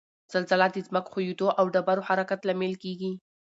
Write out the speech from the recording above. زلزله د ځمک ښویدو او ډبرو حرکت لامل کیږي